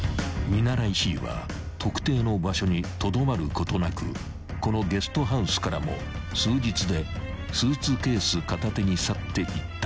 ［見習いＣは特定の場所にとどまることなくこのゲストハウスからも数日でスーツケース片手に去っていった］